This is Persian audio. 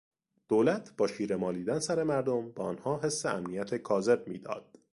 دولت با شیره مالیدن سر مردم به آنها حس امنیت کاذب میداد.